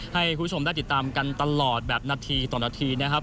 ให้คุณผู้ชมได้ติดตามกันตลอดแบบนาทีต่อนาทีนะครับ